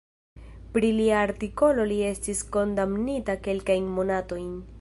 Pro lia artikolo li estis kondamnita kelkajn monatojn.